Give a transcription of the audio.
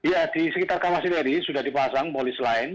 ya di sekitar kawasileri sudah dipasang polis lain